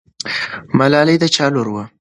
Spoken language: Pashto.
ملالۍ د چا لور وه؟